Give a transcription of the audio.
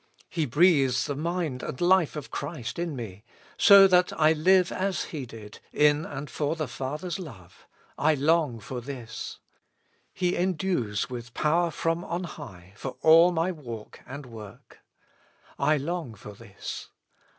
He breathes the mind and life of Christ in me, so that I live as He did, in and for the Father's love. I long for this. He endues with power from on high for all my walk and work. I long for this.